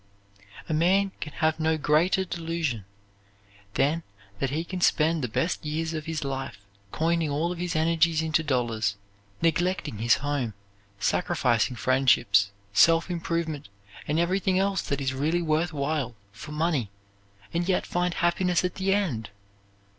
A man can have no greater delusion than that he can spend the best years of his life coining all of his energies into dollars, neglecting his home, sacrificing friendships, self improvement, and everything else that is really worth while, for money, and yet find happiness at the end!